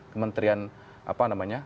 kementerian apa namanya